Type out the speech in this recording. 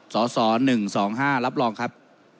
สส๑๒๕รับรองครับ